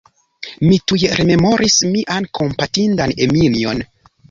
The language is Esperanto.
Mi tuj rememoris mian kompatindan Eminjon.